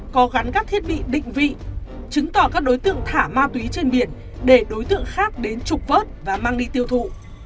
có gắn các thiết bị định vị chứng tỏ các đối tượng thả ma túy trên biển để đối tượng khác đến trục vớt và mang đi tiêu thụ